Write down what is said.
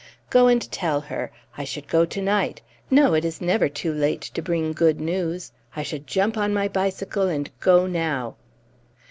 Go and tell her. I should go to night. No, it is never too late to bring good news. I should jump on my bicycle and go now!"